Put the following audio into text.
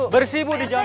bersih bu di jauh